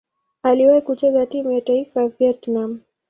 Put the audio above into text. Aliwahi kucheza timu ya taifa ya Vietnam.